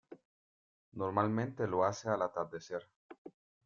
Normalmente lo hace al atardecer.